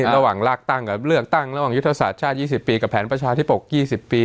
ระหว่างเลือกตั้งระหว่างยุทธศาสตร์ชาติ๒๐ปีกับแผนประชาธิปกรรม๒๐ปี